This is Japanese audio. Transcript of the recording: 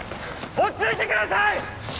落ち着いてください！